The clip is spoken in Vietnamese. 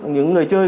những người chơi